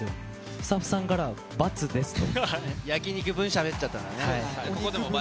スタッフさんから罰ですと。